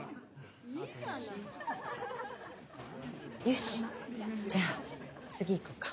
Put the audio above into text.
よしじゃあ次行こうか。